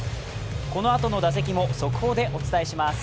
このあとの打席も速報でお伝えします。